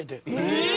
え！